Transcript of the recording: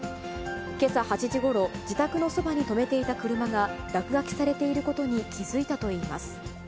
けさ８時ごろ、自宅のそばに止めていた車が落書きされていることに気付いたといいます。